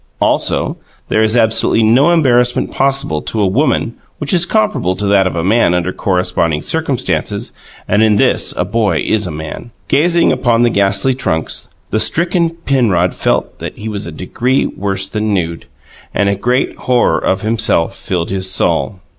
Also, there is absolutely no embarrassment possible to a woman which is comparable to that of a man under corresponding circumstances and in this a boy is a man. Gazing upon the ghastly trunks, the stricken Penrod felt that he was a degree worse then nude; and a great horror of himself filled his soul.